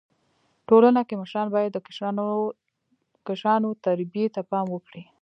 ټولنه کي مشران بايد د کشرانو و تربيي ته پام وکړي.